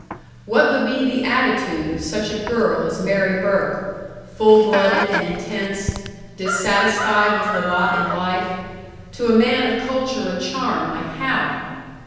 What would be the attitude of such a girl as Mary Burke full blooded and intense, dissatisfied with her lot in life to a man of culture and charm like Hal?